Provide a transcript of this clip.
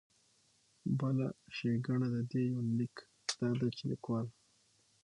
بله ښېګنه د دې يونليک دا ده چې ليکوال